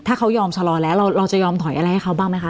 ถ้าเขายอมชะลอแล้วเราจะยอมถอยอะไรให้เขาบ้างไหมคะ